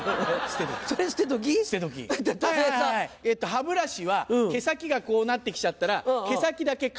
歯ブラシは毛先がこうなってきちゃったら毛先だけカットしてる。